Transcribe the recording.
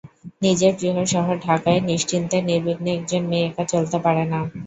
নিজের প্রিয় শহর ঢাকায় নিশ্চিন্তে-নির্বিঘ্নে একজন মেয়ে একা চলতে পারে না।